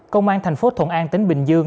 công an tp thuận an tỉnh bình dương